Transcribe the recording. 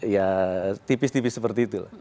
ya tipis tipis seperti itu